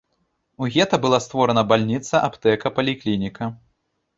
У гета была створана бальніца, аптэка, паліклініка.